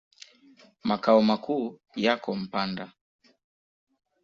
Makao makuu yako Mpanda.